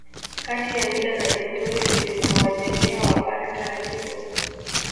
Kati ya mila na desturi zilizowajengea Wapare taratibu